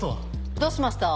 どうしました？